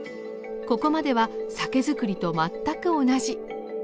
ここまでは酒造りと全く同じ。